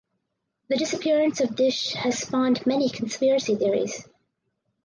The disappearance of Disch has spawned many conspiracy theories.